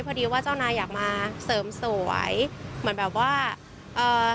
พอดีว่าเจ้านายอยากมาเสริมสวยเหมือนแบบว่าเอ่อ